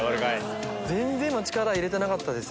全然今力入れてなかったです。